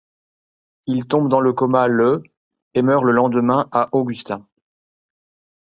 Il tombe dans le coma le et meurt le lendemain à Augusta.